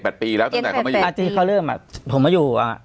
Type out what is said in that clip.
แล้วตั้งแต่เขามาอยู่อาจีเขาเริ่มอ่ะผมมาอยู่อ่ะ